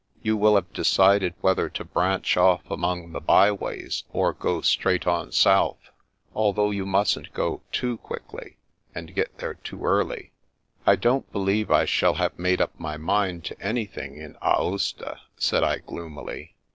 You will have decided whether to branch oflf among the bye ways, or go straight on south, al though you mustn't go too quickly, and get there too early "" I don't believe I shall have made up my mind to anything in Aosta," said I gloomily.